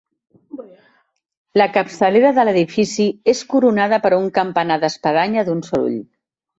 La capçalera de l'edifici és coronada per un campanar d'espadanya d'un sol ull.